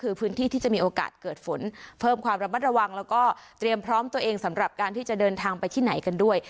คือพื้นที่ที่จะมีโอกาสเกิดฝนเพิ่มความระมัดระวังแล้วก็เตรียมพร้อมตัวเองสำหรับการที่จะเดินทางไปที่ไหนกันด้วย